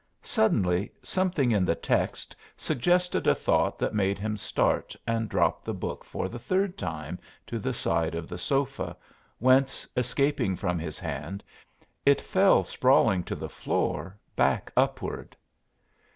Suddenly something in the text suggested a thought that made him start and drop the book for the third time to the side of the sofa, whence, escaping from his hand, it fell sprawling to the floor, back upward.